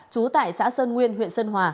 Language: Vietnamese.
chú tại xã sơn nguyên huyện sơn hòa